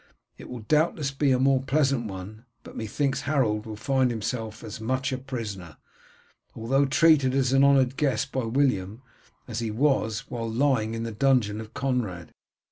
It will doubtless be a more pleasant one, but methinks Harold will find himself as much a prisoner, although treated as an honoured guest by William, as he was while lying in the dungeon of Conrad.